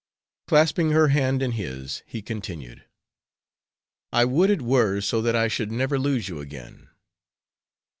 Clasping her hand in his, he continued, "I would it were so that I should never lose you again!